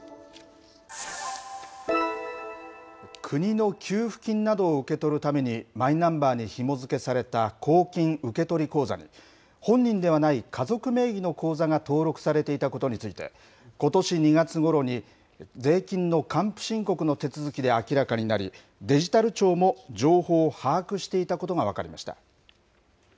国の給付金などを受け取るために、マイナンバーにひも付けされた公金受取口座に、本人ではない家族名義の口座が登録されていたことについて、ことし２月ごろに、税金の還付申告の手続きで明らかになり、デジタル庁も情報を把握していたことが分かりました。